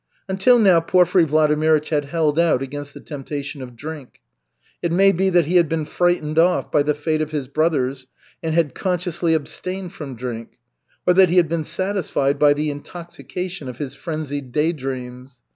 Until now Porfiry Vladimirych had held out against the temptation of drink. It may be that he had been frightened off by the fate of his brothers and had consciously abstained from drink, or that he had been satisfied by the intoxication of his frenzied day dreams.